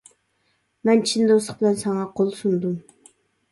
مەن چىن دوستلۇق بىلەن ساڭا قول سۇندۇم.